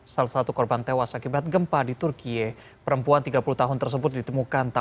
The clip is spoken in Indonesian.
salah satu korban tewas akibat gempa di turkiye perempuan tiga puluh tahun tersebut ditemukan tak